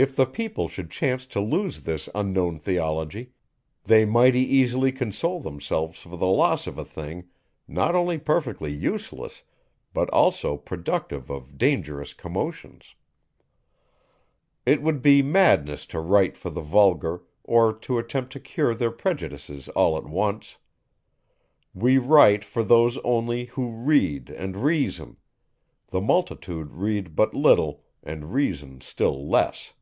If the people should chance to lose this unknown theology, they mighty easily console themselves for the loss of a thing, not only perfectly useless, but also productive of dangerous commotions. It would be madness to write for the vulgar, or to attempt to cure their prejudices all at once. We write for those only, who read and reason; the multitude read but little, and reason still less.